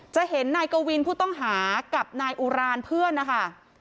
จะเห็นนายกวินผู้ต้องหากับนายอุรานเพื่อนนะคะ